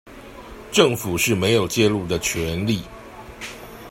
政府是沒有介入的權利